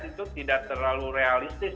itu tidak terlalu realistis